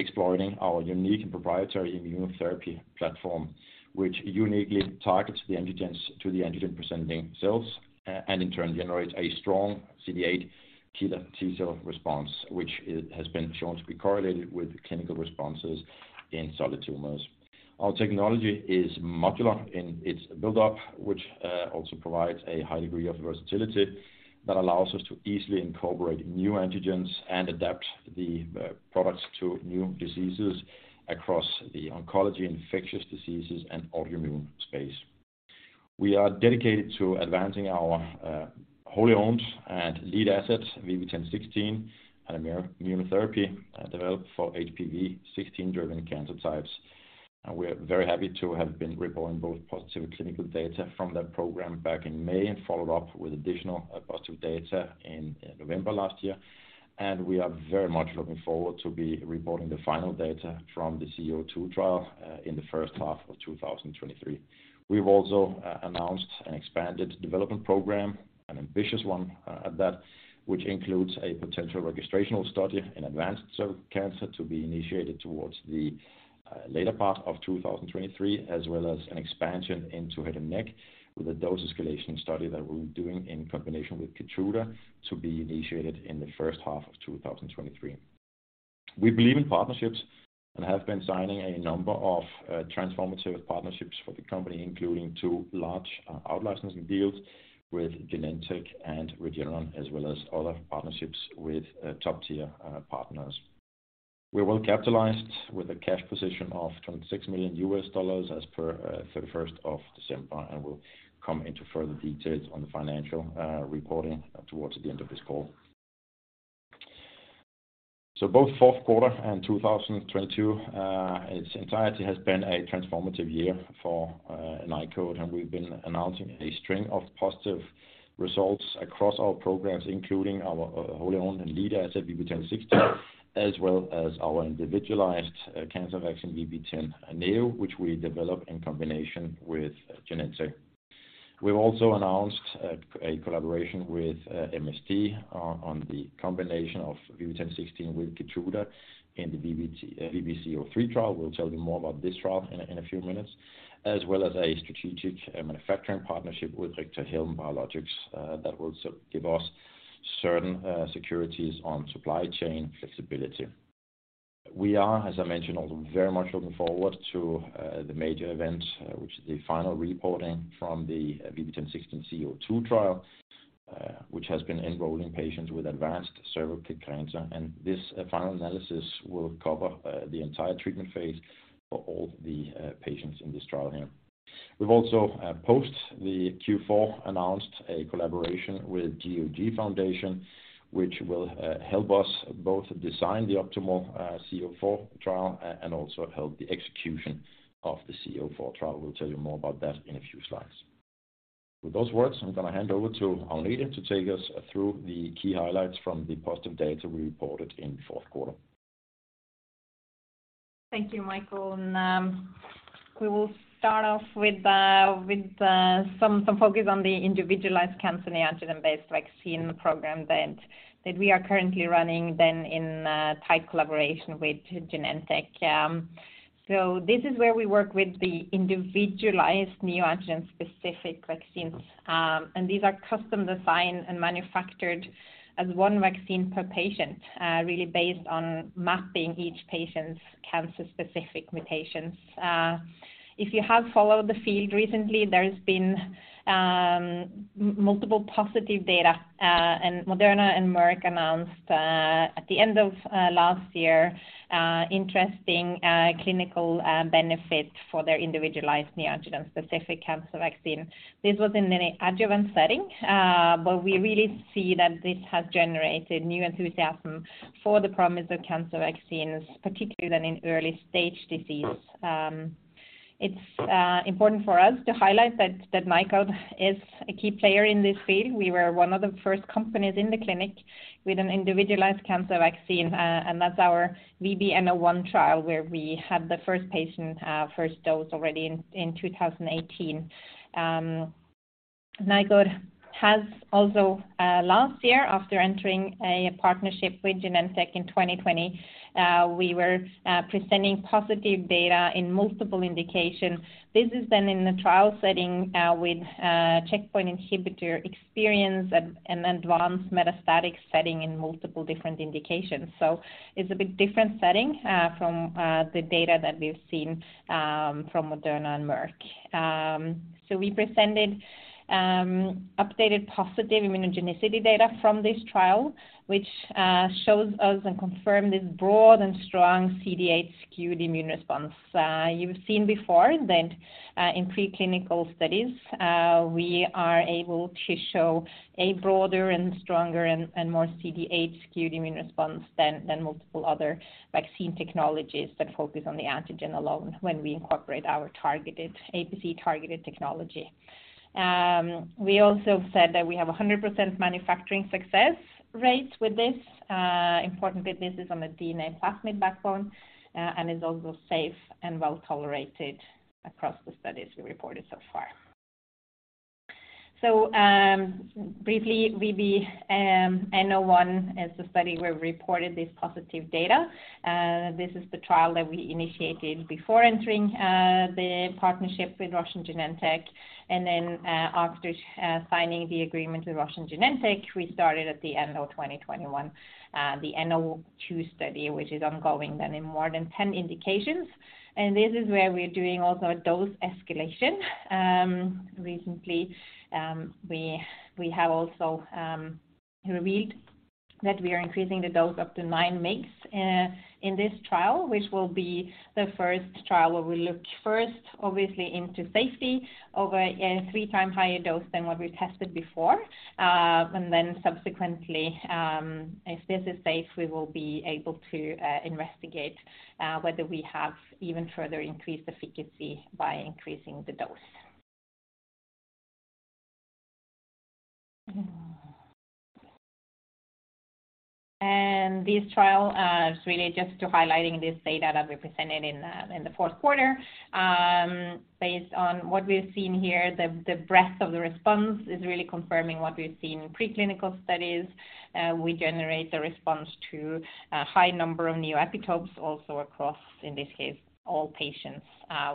On exploring our unique proprietary immunotherapy platform, which uniquely targets the antigens to the antigen-presenting cells, and in turn generates a strong CD8 killer T cell response, which it has been shown to be correlated with clinical responses in solid tumors. Our technology is modular in its build-up, which also provides a high degree of versatility that allows us to easily incorporate new antigens and adapt the products to new diseases across the oncology, infectious diseases and autoimmune space. We are dedicated to advancing our wholly owned and lead assets, VB10.16 and immunotherapy, developed for HPV 16 driven cancer types. We are very happy to have been reporting both positive clinical data from that program back in May, and followed up with additional positive data in November last year. We are very much looking forward to be reporting the final data from the VB-C-02 trial in the first half of 2023. We've also announced an expanded development program, an ambitious one at that, which includes a potential registrational study in advanced cervical cancer to be initiated towards the later part of 2023, as well as an expansion into head and neck with a dose escalation study that we'll be doing in combination with Keytruda to be initiated in the first half of 2023. We believe in partnerships and have been signing a number of transformative partnerships for the company, including two large out licensing deals with Genentech and Regeneron, as well as other partnerships with top tier partners. We're well capitalized with a cash position of $26 million as per December 31st, and we'll come into further details on the financial reporting towards the end of this call. Both fourth quarter and 2022, its entirety has been a transformative year for Nykode. We've been announcing a string of positive results across our programs, including our wholly owned and lead asset, VB10.16, as well as our individualized cancer vaccine, VB10.NEO, which we develop in combination with Genentech. We've also announced a collaboration with MSD on the combination of VB10.16 with Keytruda in the VB-C-03 trial. We'll tell you more about this trial in a few minutes, as well as a strategic manufacturing partnership with Richter-Helm BioLogics that will give us certain securities on supply chain flexibility. We are, as I mentioned, also very much looking forward to the major event, which is the final reporting from the VB10.16-C-02 trial, which has been enrolling patients with advanced cervical cancer. This final analysis will cover the entire treatment phase for all the patients in this trial here. We've also, post the Q4, announced a collaboration with GOG Foundation, which will help us both design the optimal C-04 trial and also help the execution of the C-04 trial. We'll tell you more about that in a few slides. With those words, I'm going to hand over to [Agnete] to take us through the key highlights from the positive data we reported in fourth quarter. Thank you, Michael. We will start off with some focus on the individualized cancer neoantigen-based vaccine program that we are currently running then in tight collaboration with Genentech. This is where we work with the individualized neoantigen specific vaccines. These are custom designed and manufactured as one vaccine per patient, really based on mapping each patient's cancer specific mutations. If you have followed the field recently, there's been multiple positive data, and Moderna and Merck announced at the end of last year interesting clinical benefit for their individualized neoantigen specific cancer vaccine. This was in an adjuvant setting, but we really see that this has generated new enthusiasm for the promise of cancer vaccines, particularly than in early stage disease. It's important for us to highlight that Nykode is a key player in this field. We were one of the first companies in the clinic with an individualized cancer vaccine, and that's our VB N-01 trial, where we had the first patient, first dose already in 2018. Nykode has also last year, after entering a partnership with Genentech in 2020, we were presenting positive data in multiple indications. This is then in the trial setting with checkpoint inhibitor experience and advanced metastatic setting in multiple different indications. It's a bit different setting from the data that we've seen from Moderna and Merck. We presented updated positive immunogenicity data from this trial, which shows us and confirm this broad and strong CD8 skewed immune response. You've seen before that in preclinical studies, we are able to show a broader and stronger and more CD8 skewed immune response than multiple other vaccine technologies that focus on the antigen alone when we incorporate our targeted, APC targeted technology. We also said that we have 100% manufacturing success rates with this. Important bit, this is on the DNA plasmid backbone, and is also safe and well tolerated across the studies we reported so far. Briefly, VB N-01 is the study where we reported this positive data. This is the trial that we initiated before entering the partnership with Roche Genentech. After signing the agreement with Roche Genentech, we started at the end of 2021, the N-02 study, which is ongoing then in more than 10 indications. This is where we're doing also a dose escalation. Recently, we have also revealed that we are increasing the dose up to 9 mg in this trial, which will be the first trial where we look first, obviously, into safety over a three-time higher dose than what we tested before. Subsequently, if this is safe, we will be able to investigate whether we have even further increased efficacy by increasing the dose. This trial is really just to highlighting this data that we presented in the fourth quarter. Based on what we've seen here, the breadth of the response is really confirming what we've seen in preclinical studies. We generate a response to a high number of neo-epitopes also across, in this case, all patients.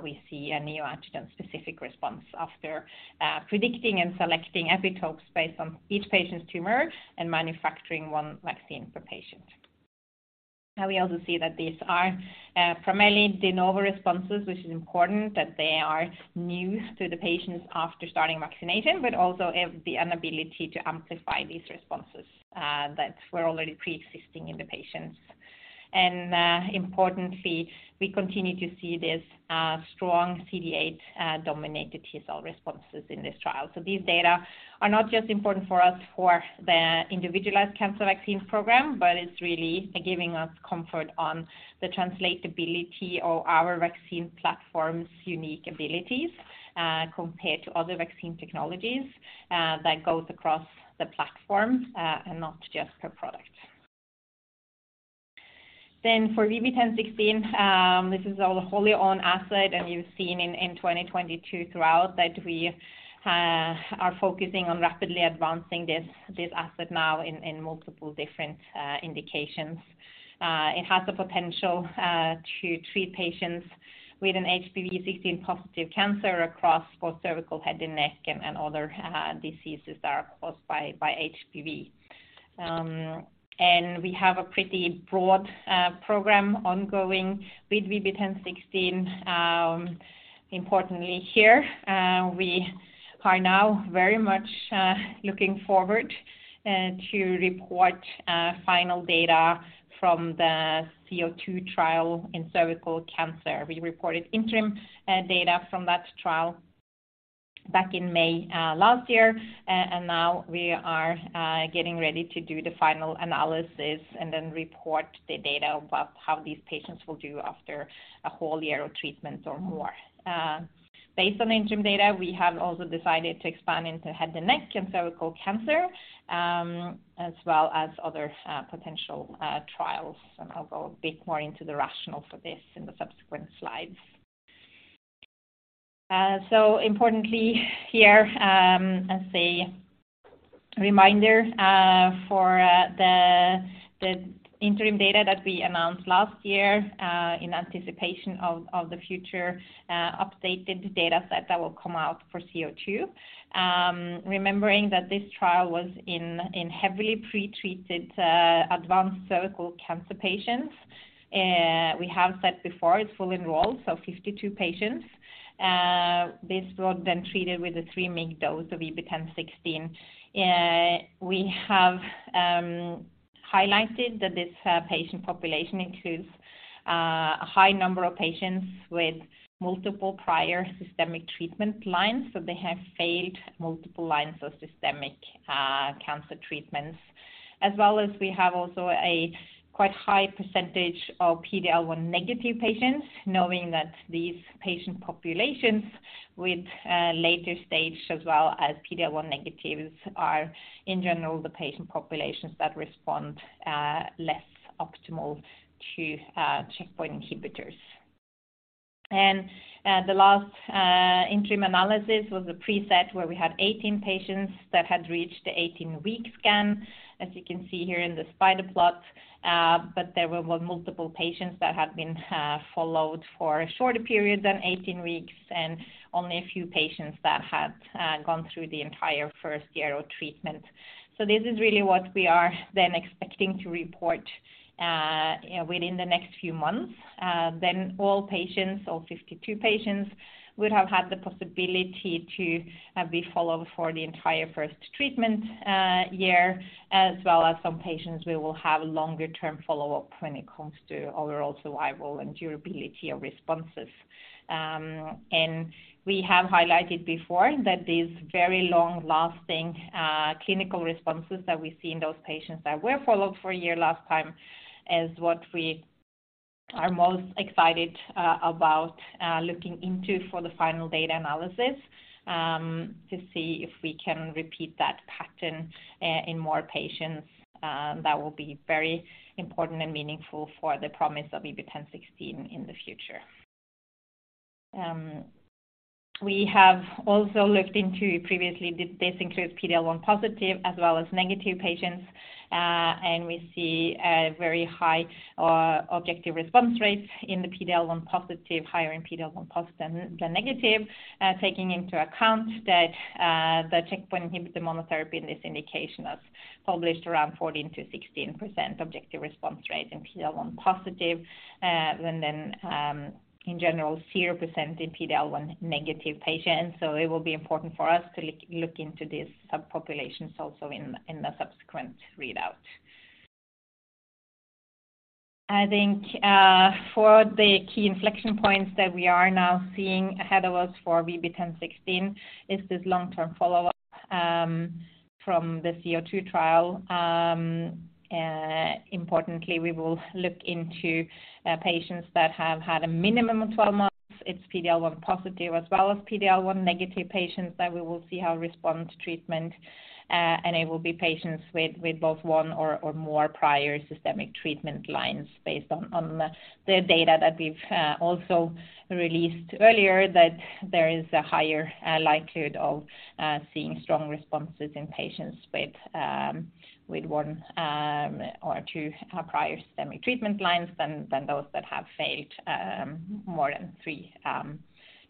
We see a neoantigen-specific response after predicting and selecting epitopes based on each patient's tumor and manufacturing one vaccine per patient. We also see that these are primarily de novo responses, which is important that they are new to the patients after starting vaccination, but also have the inability to amplify these responses that were already preexisting in the patients. Importantly, we continue to see this strong CD8 dominated T cell responses in this trial. These data are not just important for us for the individualized cancer vaccine program, but it's really giving us comfort on the translatability of our vaccine platform's unique abilities compared to other vaccine technologies that goes across the platform and not just per product. For VB10.16, this is our wholly owned asset, and you've seen in 2022 throughout that we are focusing on rapidly advancing this asset now in multiple different indications. It has the potential to treat patients with an HPV 16 positive cancer across both cervical head and neck and other diseases that are caused by HPV. We have a pretty broad program ongoing with VB10.16. Importantly here, we are now very much looking forward to report final data from the VB-C-02 trial in cervical cancer. We reported interim data from that trial back in May last year. Now we are getting ready to do the final analysis and then report the data about how these patients will do after a whole year of treatment or more. Based on the interim data, we have also decided to expand into head and neck and cervical cancer, as well as other potential trials. I'll go a bit more into the rationale for this in the subsequent slides. Importantly here, as a reminder, for the interim data that we announced last year, in anticipation of the future updated data set that will come out for VB-C-02. Remembering that this trial was in heavily pretreated advanced cervical cancer patients. We have said before it's full enrolled, so 52 patients. This was then treated with a 3 mg dose of VB10.16. We have highlighted that this patient population includes a high number of patients with multiple prior systemic treatment lines, so they have failed multiple lines of systemic cancer treatments. As well as we have also a quite high percentage of PD-L1 negative patients, knowing that these patient populations with later stage as well as PD-L1 negatives are in general the patient populations that respond less optimal to checkpoint inhibitors. The last interim analysis was a preset where we had 18 patients that had reached the 18-week scan, as you can see here in the spider plot. There were multiple patients that had been followed for a shorter period than 18 weeks, and only a few patients that had gone through the entire first year of treatment. This is really what we are then expecting to report within the next few months. All patients, all 52 patients would have had the possibility to be followed for the entire first treatment year, as well as some patients we will have longer term follow-up when it comes to overall survival and durability of responses. We have highlighted before that these very long-lasting clinical responses that we see in those patients that were followed for a year last time is what we are most excited about looking into for the final data analysis to see if we can repeat that pattern in more patients. That will be very important and meaningful for the promise of VB10.16 in the future. We have also looked into previously, this includes PD-L1 positive as well as negative patients. We see a very high objective response rates in the PD-L1 positive, higher in PD-L1 positive than negative. Taking into account that the checkpoint inhibitor monotherapy in this indication has published around 14%-16% objective response rate in PD-L1 positive. In general 0% in PD-L1 negative patients. It will be important for us to look into these subpopulations also in the subsequent readout. I think for the key inflection points that we are now seeing ahead of us for VB10.16 is this long-term follow-up from the VB-C-02 trial. Importantly, we will look into patients that have had a minimum of 12 months. It's PD-L1 positive as well as PD-L1 negative patients that we will see how response treatment, and it will be patients with both 1 or more prior systemic treatment lines based on the data that we've also released earlier that there is a higher likelihood of seeing strong responses in patients with one or two prior systemic treatment lines than those that have failed more than three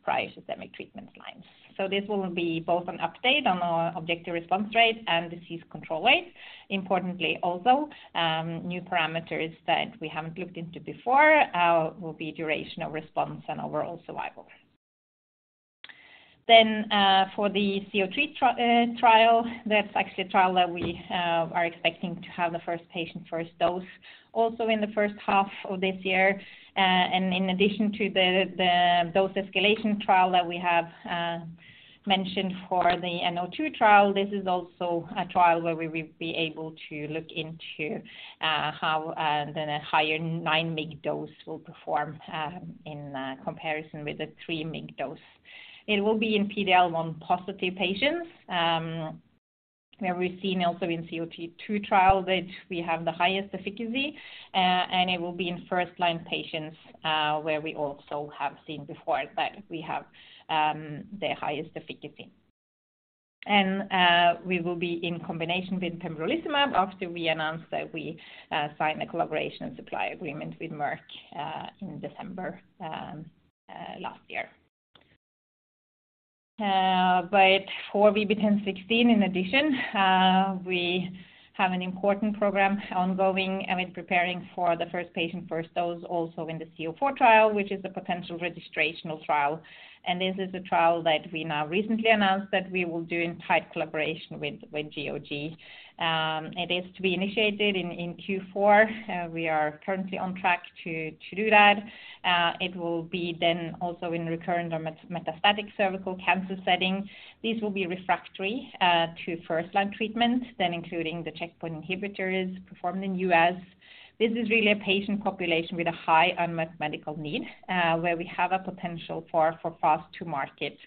prior systemic treatment lines. This will be both an update on our objective response rate and disease control rate. Importantly, also, new parameters that we haven't looked into before, will be duration of response and overall survival. For the C-O2 trial, that's actually a trial that we are expecting to have the first patient first dose also in the first half of this year. In addition to the dose escalation trial that we have mentioned for the N-O2 trial, this is also a trial where we will be able to look into how then a higher 9 mg dose will perform in comparison with the 3 mg dose. It will be in PD-L1 positive patients, where we've seen also in VB-C-02 trial that we have the highest efficacy, and it will be in first line patients, where we also have seen before that we have the highest efficacy. We will be in combination with pembrolizumab after we announce that we sign a collaboration supply agreement with Merck in December last year. For VB10.16, in addition, we have an important program ongoing and with preparing for the first patient, first dose also in the VB-C-04 trial, which is a potential registrational trial. This is a trial that we now recently announced that we will do in tight collaboration with GOG. It is to be initiated in Q4. We are currently on track to do that. It will be then also in recurrent or metastatic cervical cancer setting. These will be refractory to first line treatment, then including the checkpoint inhibitors performed in U.S. This is really a patient population with a high unmet medical need, where we have a potential for fast to market.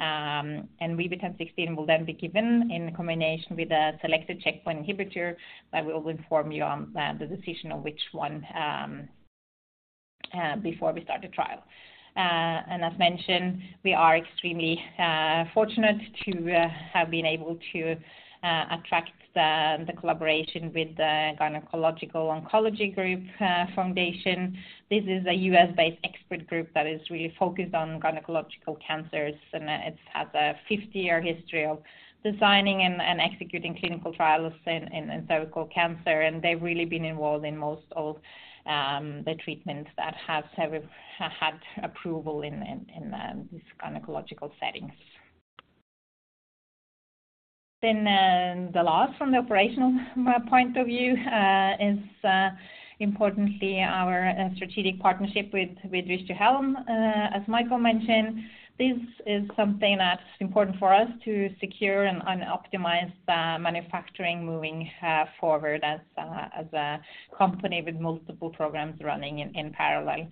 VB10.16 will then be given in combination with a selected checkpoint inhibitor that we will inform you on the decision on which one before we start the trial. As mentioned, we are extremely fortunate to have been able to attract the collaboration with the Gynecologic Oncology Group Foundation. This is a U.S.-based expert group that is really focused on gynecologic cancers, and it has a 50-year history of designing and executing clinical trials in cervical cancer. n involved in most of the treatments that have had approval in these gynecologic settings. The last from the operational point of view is importantly our strategic partnership with Richter-Helm. As Michael mentioned, this is something that's important for us to secure and optimize the manufacturing moving forward as a company with multiple programs running in parallel.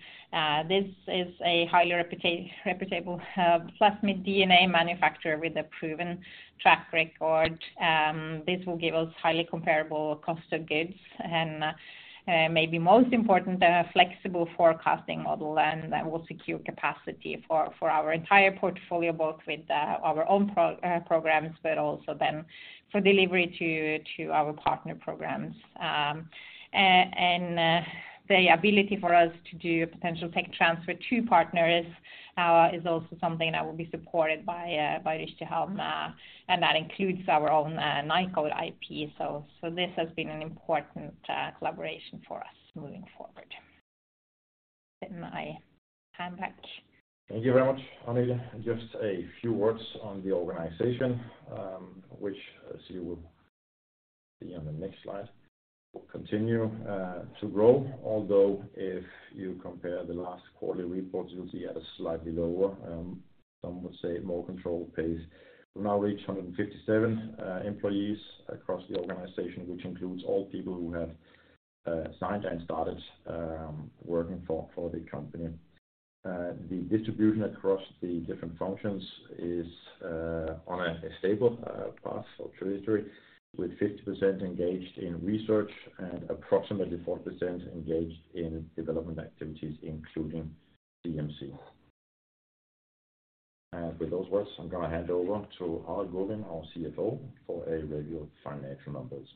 This is a highly reputable plasmid DNA manufacturer with a proven track record. This will give us highly comparable cost of goods and maybe most important, a flexible forecasting model and that will secure capacity for our entire portfolio, both with our own programs, but also then for delivery to our partner programs The ability for us to do a potential tech transfer to partners is also something that will be supported by Richter-Helm. That includes our own Nykode IP. This has been an important collaboration for us moving forward. Get my time back. Thank you very much, Agnete. Just a few words on the organization, which as you will see on the next slide, will continue to grow. Although if you compare the last quarterly report, you'll see a slightly lower, some would say more controlled pace. We now reach 157 employees across the organization, which includes all people who have signed and started working for the company. The distribution across the different functions is on a stable path or trajectory with 50% engaged in research and approximately 4% engaged in development activities, including CMC. And with those words, I'm gonna hand over to Harald Gurvin, our CFO, for a review of financial numbers.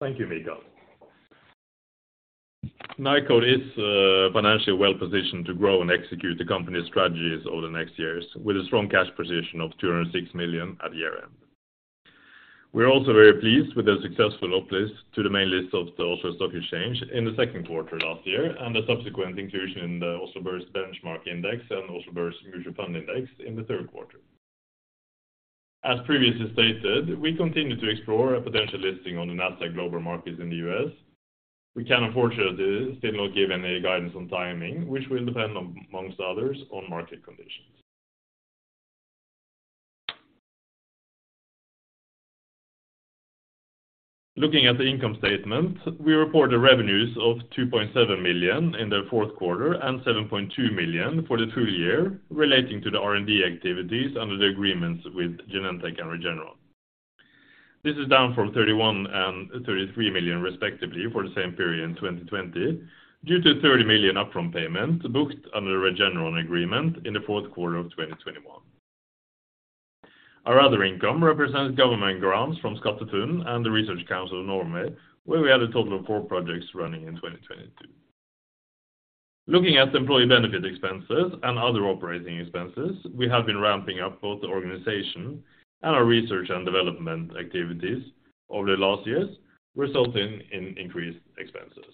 Thank you, Michael. Nykode is financially well-positioned to grow and execute the company's strategies over the next years with a strong cash position of $206 million at the year-end. We're also very pleased with the successful uplift to the main list of the Oslo Stock Exchange in the second quarter last year and the subsequent inclusion in the Oslo Børs Benchmark Index and Oslo Børs Mutual Fund Index in the third quarter. As previously stated, we continue to explore a potential listing on the Nasdaq Global Market in the U.S. We can unfortunately still not give any guidance on timing, which will depend amongst others, on market conditions. Looking at the income statement, we report the revenues of $2.7 million in the fourth quarter and $7.2 million for the full year relating to the R&D activities under the agreements with Genentech and Regeneron. This is down from $31 million and $33 million, respectively, for the same period in 2020 due to a $30 million upfront payment booked under the Regeneron agreement in the fourth quarter of 2021. Our other income represents government grants from SkatteFUNN and the Research Council of Norway, where we had a total of four projects running in 2022. Looking at employee benefit expenses and other operating expenses, we have been ramping up both the organization and our research and development activities over the last years, resulting in increased expenses.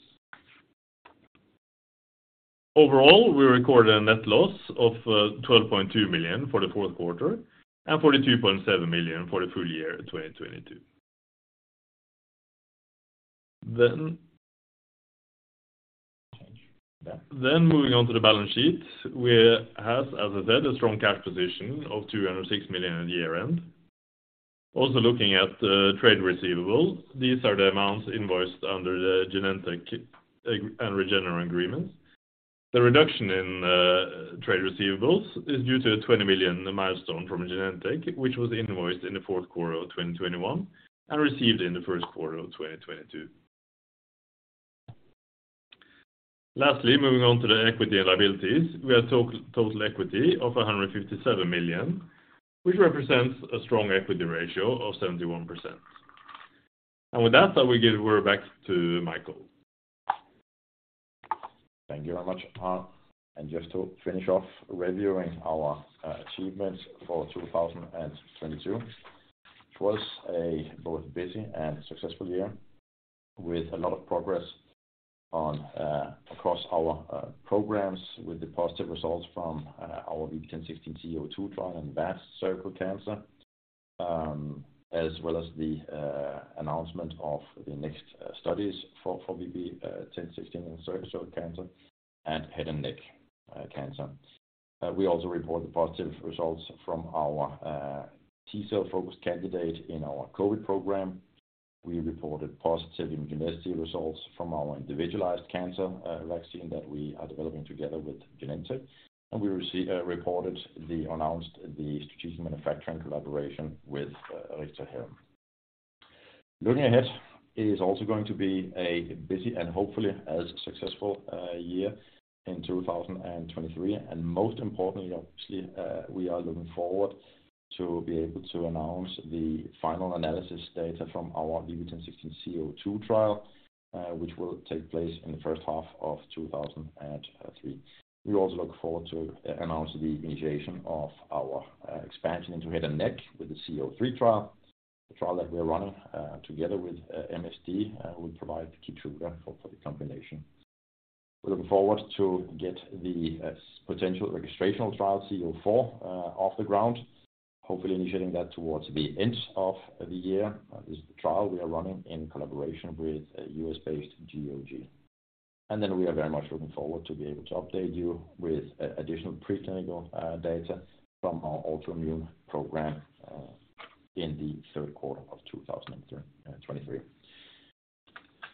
Overall, we recorded a net loss of 12.2 million for the fourth quarter and 42.7 million for the full year 2022. Change that. Moving on to the balance sheet, we have, as I said, a strong cash position of 206 million at year-end. Looking at the trade receivables, these are the amounts invoiced under the Genentech and Regeneron agreements. The reduction in trade receivables is due to a 20 million milestone from Genentech, which was invoiced in the fourth quarter of 2021 and received in the first quarter of 2022. Lastly, moving on to the equity and liabilities, we have total equity of 157 million, which represents a strong equity ratio of 71%. With that, I will give it back to Michael. Thank you very much, Harald. Just to finish off reviewing our achievements for 2022, it was a both busy and successful year with a lot of progress across our programs with the positive results from our VB10.16 VB-C-02 trial in vast cervical cancer, as well as the announcement of the next studies for VB10.16 in cervical cancer and head and neck cancer. We also reported positive results from our T cell focused candidate in our COVID program. We reported positive immunotherapy results from our individualized cancer vaccine that we are developing together with Genentech. We reported the announced the strategic manufacturing collaboration with Richter-Helm. Looking ahead is also going to be a busy and hopefully as successful year in 2023. Most importantly, obviously, we are looking forward to be able to announce the final analysis data from our VB10.16 VB-C-02 trial, which will take place in the first half of 2023. We also look forward to announce the initiation of our expansion into head and neck with the VB-C-03 trial, the trial that we are running together with MSD, will provide Keytruda for the combination. We're looking forward to get the potential registrational trial VB-C-04 off the ground, hopefully initiating that towards the end of the year. This is the trial we are running in collaboration with U.S.-based GOG Foundation. We are very much looking forward to be able to update you with additional preclinical data from our autoimmune program in the third quarter of 2023.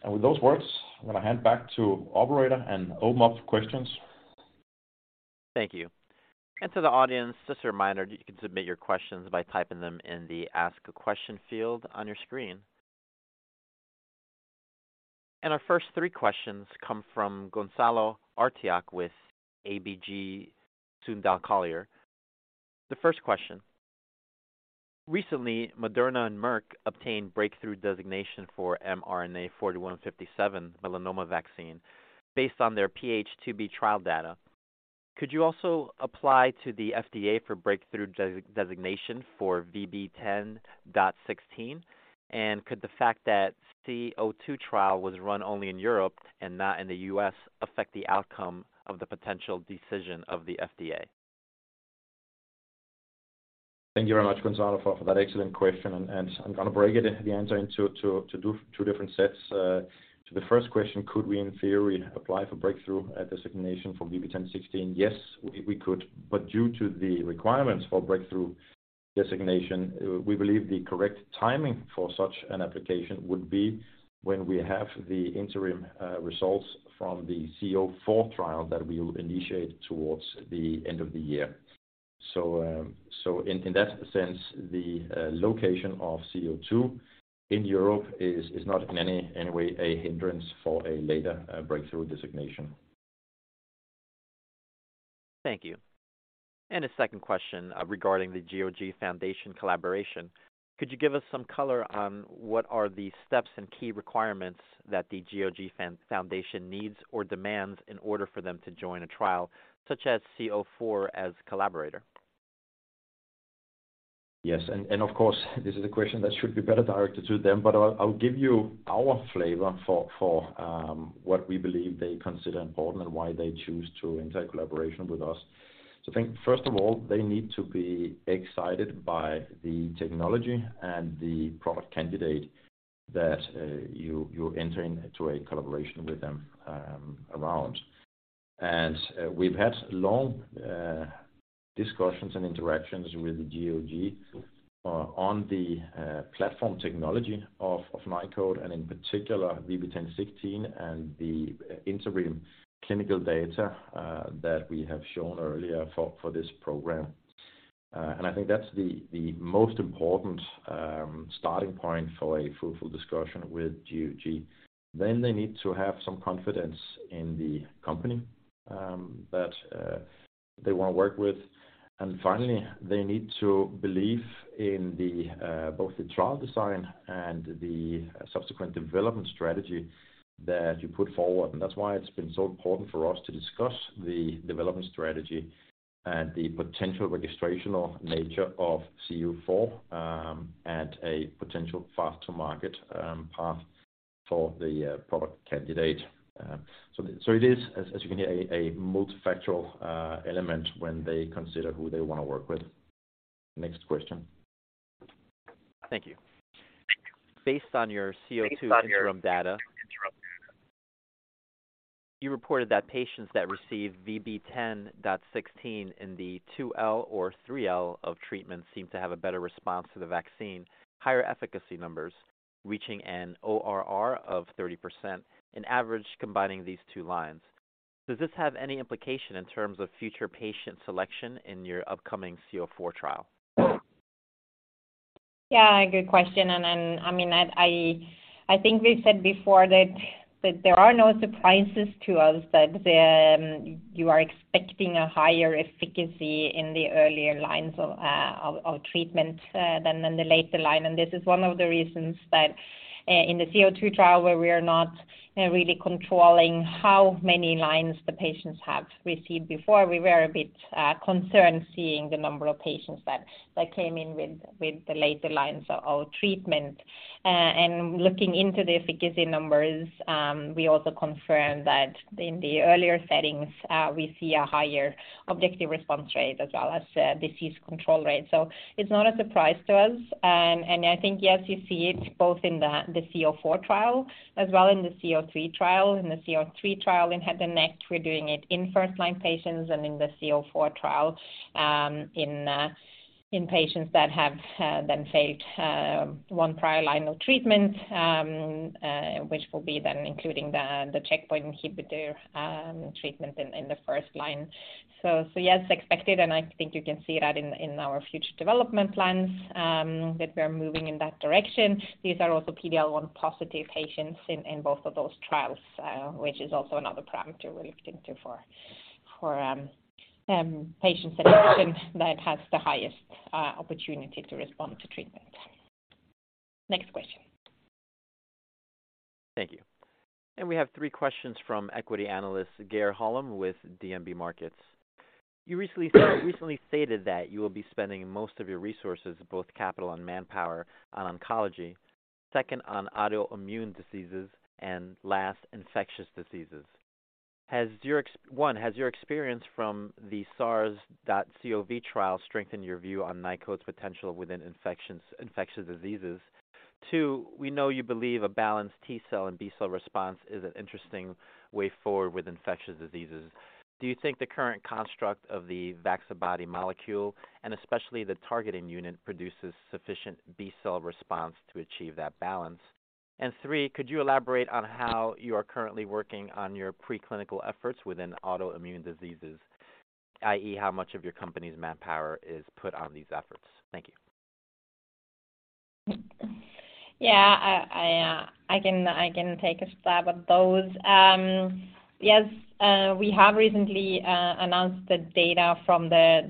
With those words, I'm gonna hand back to operator and open up for questions. Thank you. To the audience, just a reminder, you can submit your questions by typing them in the ask a question field on your screen. Our first three questions come from Gonzalo Artiach with ABG Sundal Collier. The first question, recently, Moderna and Merck obtained Breakthrough Therapy designation for mRNA-4157 melanoma vaccine based on their phase IIb trial data. Could you also apply to the FDA for Breakthrough Therapy designation for VB10.16? Could the fact that VB-C-02 trial was run only in Europe and not in the U.S. affect the outcome of the potential decision of the FDA? Thank you very much, Gonzalo, for that excellent question. I'm gonna break the answer into two different sets. To the first question, could we in theory apply for Breakthrough designation for VB10.16? Yes, we could. Due to the requirements for Breakthrough designation, we believe the correct timing for such an application would be when we have the interim results from the C-04 trial that we will initiate towards the end of the year. In that sense, the location of C-02 in Europe is not in any way a hindrance for a later Breakthrough designation. Thank you. A second question regarding the GOG Foundation collaboration. Could you give us some color on what are the steps and key requirements that the GOG Foundation needs or demands in order for them to join a trial such as C-04 as collaborator? Yes, of course, this is a question that should be better directed to them, but I'll give you our flavor for what we believe they consider important and why they choose to enter a collaboration with us. I think first of all, they need to be excited by the technology and the product candidate that you're entering into a collaboration with them around. We've had long discussions and interactions with the GOG on the platform technology of Nykode and in particular VB10.16 and the interim clinical data that we have shown earlier for this program. I think that's the most important starting point for a fruitful discussion with GOG. They need to have some confidence in the company that they wanna work with. Finally, they need to believe in the both the trial design and the subsequent development strategy that you put forward. That's why it's been so important for us to discuss the development strategy and the potential registrational nature of C-04 and a potential path to market path for the product candidate. It is as you can hear, a multifactorial element when they consider who they wanna work with. Next question. Thank you. Based on your VB-C-02 interim data, you reported that patients that receive VB10.16 in the 2L or 3L of treatment seem to have a better response to the vaccine, higher efficacy numbers, reaching an ORR of 30% in average combining these two lines. Does this have any implication in terms of future patient selection in your upcoming VB-C-04 trial? Yeah, good question. I mean, I think we said before that there are no surprises to us that you are expecting a higher efficacy in the earlier lines of treatment than in the later line. This is one of the reasons that in the VB-C-02 trial, where we are not really controlling how many lines the patients have received before, we were a bit concerned seeing the number of patients that came in with the later lines of treatment. Looking into the efficacy numbers, we also confirmed that in the earlier settings, we see a higher objective response rate as well as disease control rate. It's not a surprise to us. I think yes, you see it both in the VB-C-04 trial as well in the VB-C-03 trial. In the VB-C-03 trial in head and neck, we're doing it in first line patients and in the VB-C-04 trial, in patients that have then failed one prior line of treatment, which will be then including the checkpoint inhibitor treatment in the first line. Yes, expected, and I think you can see that in our future development plans that we're moving in that direction. These are also PD-L1 positive patients in both of those trials, which is also another parameter we're looking to patient selection that has the highest opportunity to respond to treatment. Next question. Thank you. We have three questions from equity analyst Geir Holom with DNB Markets. You recently stated that you will be spending most of your resources, both capital and manpower, on oncology, second on autoimmune diseases, and last infectious diseases. One, has your experience from the SARS-CoV trial strengthened your view on Nykode's potential within infectious diseases? Two, we know you believe a balanced T cell and B cell response is an interesting way forward with infectious diseases. Do you think the current construct of the Vaccibody molecule, and especially the targeting unit, produces sufficient B-cell response to achieve that balance? Three, could you elaborate on how you are currently working on your preclinical efforts within autoimmune diseases, i.e., how much of your company's manpower is put on these efforts? Thank you. I can take a stab at those. Yes, we have recently announced the data from the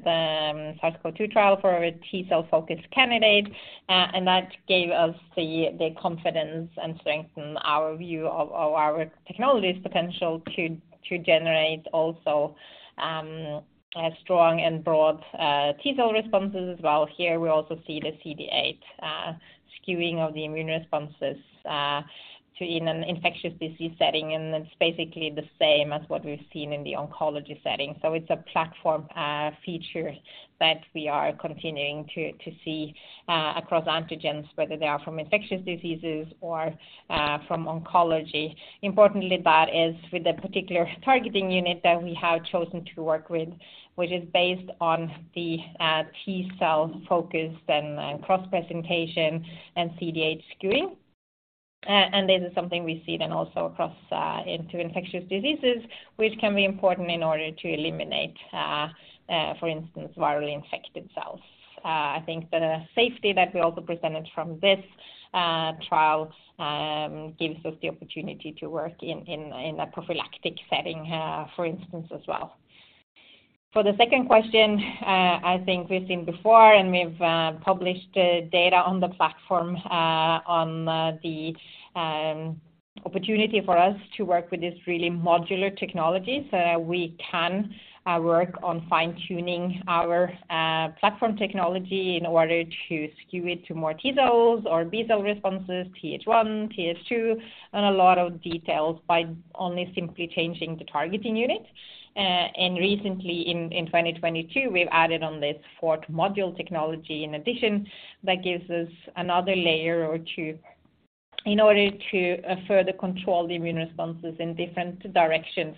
SARS-CoV-2 trial for our T cell focused candidate, and that gave us the confidence and strengthened our view of our technology's potential to generate also strong and broad T cell responses as well. Here we also see the CD8 skewing of the immune responses to in an infectious disease setting, and it's basically the same as what we've seen in the oncology setting. It's a platform feature that we are continuing to see across antigens, whether they are from infectious diseases or from oncology. Importantly, that is with a particular targeting unit that we have chosen to work with, which is based on the T cell focused and cross presentation and CD8 skewing. This is something we see then also across into infectious diseases, which can be important in order to eliminate, for instance, virally infected cells. I think the safety that we also presented from this trial gives us the opportunity to work in a prophylactic setting, for instance as well. For the second question, I think we've seen before and we've published data on the platform, on the opportunity for us to work with this really modular technology. We can work on fine-tuning our platform technology in order to skew it to more T cells or B cell responses, Th1, Th2, and a lot of details by only simply changing the targeting unit. Recently in 2022, we've added on this fourth module technology in addition that gives us another layer or two in order to further control the immune responses in different directions.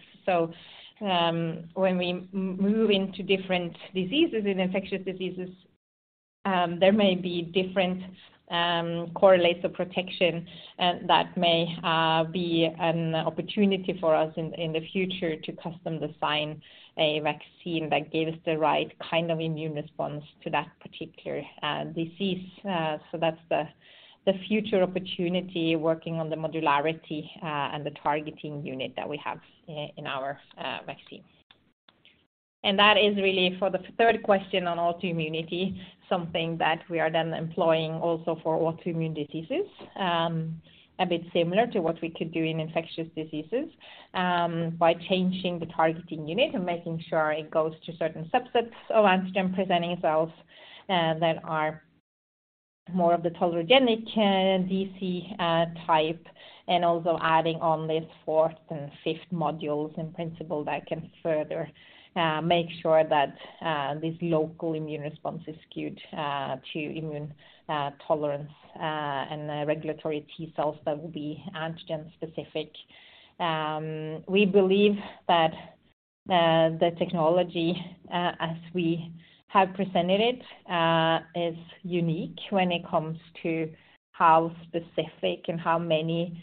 When we move into different diseases, in infectious diseases, there may be different correlates of protection that may be an opportunity for us in the future to custom design a vaccine that gave us the right kind of immune response to that particular disease. That's the future opportunity working on the modularity and the targeting unit that we have in our vaccine. That is really for the third question on autoimmunity, something that we are then employing also for autoimmune diseases. A bit similar to what we could do in infectious diseases, by changing the targeting unit and making sure it goes to certain subsets of antigen-presenting cells, that are more of the tolerogenic, DC, type, and also adding on these fourth and fifth modules in principle that can further make sure that this local immune response is skewed to immune tolerance, and regulatory T cells that will be antigen specific. We believe that the technology as we have presented it is unique when it comes to how specific and how many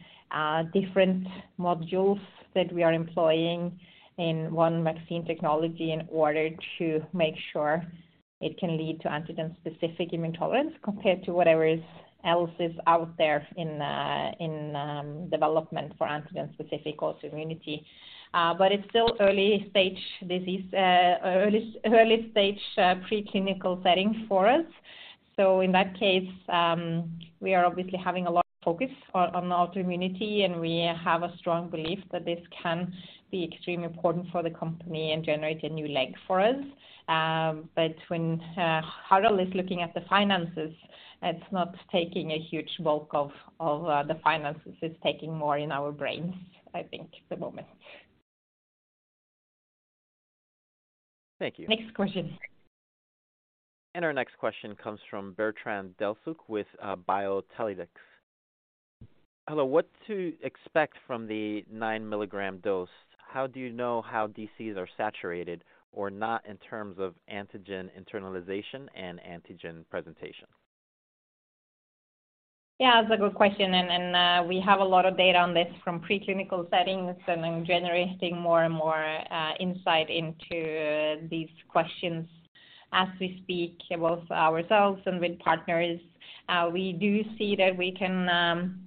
different modules that we are employing in one vaccine technology in order to make sure it can lead to antigen specific immune tolerance compared to whatever else is out there in development for antigen specific autoimmunity. It's still early stage disease, early stage preclinical setting for us. In that case, we are obviously having a lot of focus on autoimmunity, and we have a strong belief that this can be extremely important for the company and generate a new leg for us. When Harald is looking at the finances, it's not taking a huge bulk of the finances. It's taking more in our brains, I think at the moment. Thank you. Next question. Our next question comes from Bertrand Delsuc with Biotellytics. Hello. What to expect from the 9 mg dose? How do you know how DCs are saturated or not in terms of antigen internalization and antigen presentation? That's a good question, and we have a lot of data on this from preclinical settings and then generating more and more insight into these questions as we speak, both ourselves and with partners. We do see that we can,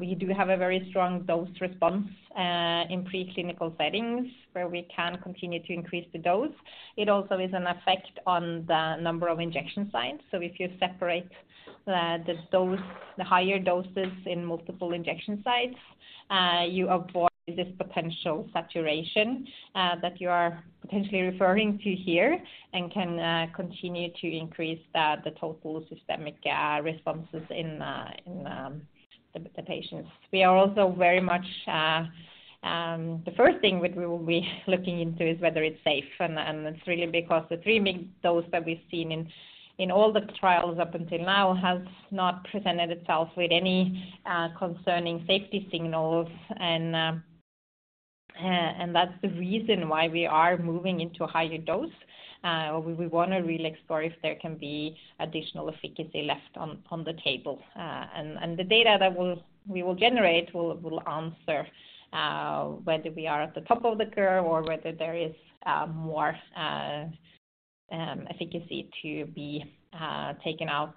we do have a very strong dose response in preclinical settings where we can continue to increase the dose. It also is an effect on the number of injection sites. If you separate the dose, the higher doses in multiple injection sites, you avoid this potential saturation that you are potentially referring to here and can continue to increase the total systemic responses in the patients. We are also very much... The first thing which we will be looking into is whether it's safe, and it's really because the 3 mg dose that we've seen in all the trials up until now has not presented itself with any concerning safety signals. That's the reason why we are moving into a higher dose. We want to really explore if there can be additional efficacy left on the table. The data that we will generate will answer whether we are at the top of the curve or whether there is more efficacy to be taken out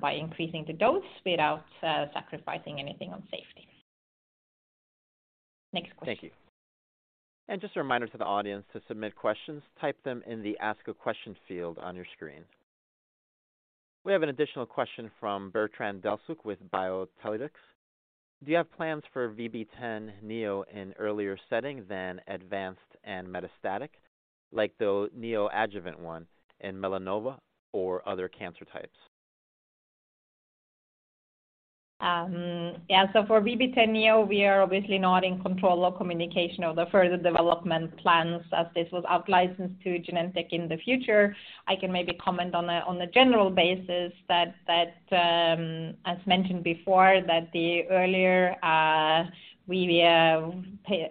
by increasing the dose without sacrificing anything on safety. Next question. Thank you. Just a reminder to the audience to submit questions, type them in the ask a question field on your screen. We have an additional question from Bertrand Delsuc with Biotellytics. Do you have plans for VB10.NEO in earlier setting than advanced and metastatic, like the neo-adjuvant one in melanoma or other cancer types? Yeah. For VB10.NEO, we are obviously not in control of communication of the further development plans as this was out licensed to Genentech in the future. I can maybe comment on a general basis that, as mentioned before, the earlier we meet the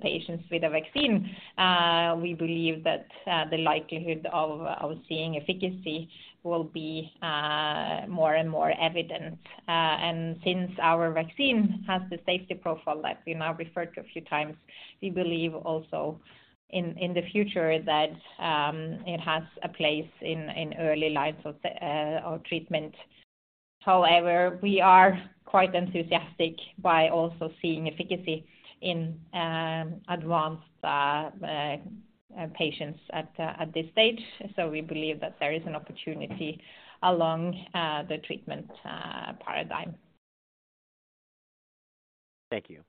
patients with a vaccine, we believe that the likelihood of seeing efficacy will be more and more evident. Since our vaccine has the safety profile that we now referred to a few times, we believe also in the future that it has a place in early lines of treatment. However, we are quite enthusiastic by also seeing efficacy in advanced patients at this stage. We believe that there is an opportunity along the treatment paradigm. Thank you.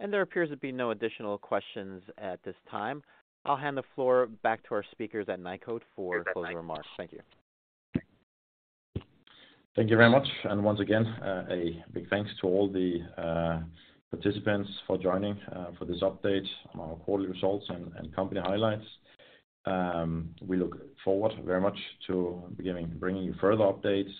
There appears to be no additional questions at this time. I'll hand the floor back to our speakers at Nykode for closing remarks. Thank you. Thank you very much. Once again, a big thanks to all the participants for joining for this update on our quarterly results and company highlights. We look forward very much to beginning bringing you further updates,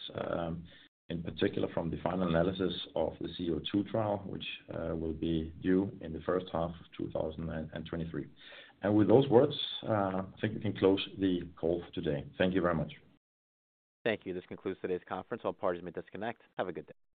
in particular from the final analysis of the C-02 trial, which will be due in the first half of 2023. With those words, I think we can close the call today. Thank you very much. Thank you. This concludes today's conference. All parties may disconnect. Have a good day.